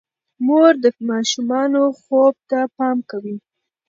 مور د ماشومانو خوب ته پام کوي.